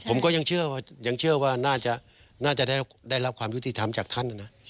ผมก็ยังเชื่อว่าน่าจะได้รับความยุติธรรมจากท่านนะ